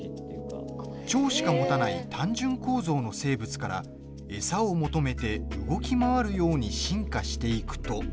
腸しか持たない単純構造の生物から餌を求めて動き回るように進化していくと。